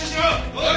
はい！